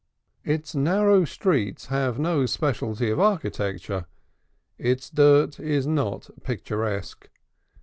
Its narrow streets have no specialty of architecture; its dirt is not picturesque.